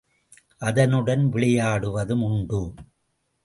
அதனுடன் விளையாடுவதும் உண்டு.